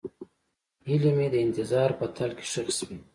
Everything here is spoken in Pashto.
هیلې مې د انتظار په تل کې ښخې شوې.